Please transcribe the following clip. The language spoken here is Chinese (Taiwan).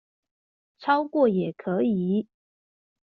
超過也可以